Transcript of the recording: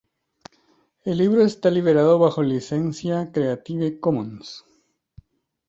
El libro está liberado bajo licencia Creative Commons.